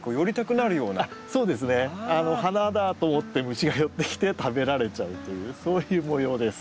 花だと思って虫が寄ってきて食べられちゃうというそういう模様です。